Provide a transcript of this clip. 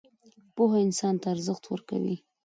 پوهه انسان ته ارزښت ورکوي